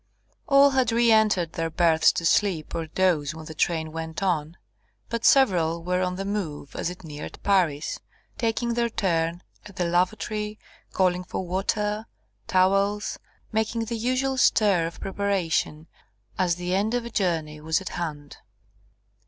All had reëntered their berths to sleep or doze when the train went on, but several were on the move as it neared Paris, taking their turn at the lavatory, calling for water, towels, making the usual stir of preparation as the end of a journey was at hand.